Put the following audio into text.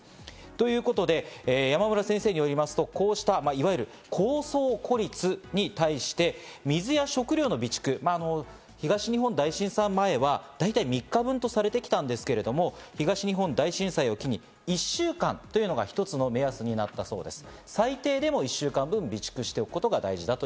ということで、山村先生によりますとこうした、いわゆる高層孤立に対して、水や食料の備蓄、東日本大震災前は大体３日分とされてきたんですが、東日本大震災を機に１週間というのが一つの目安になったそうです。